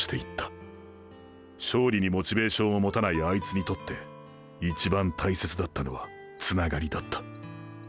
勝利にモチベーションを持たないあいつにとって一番大切だったのはつながりだった。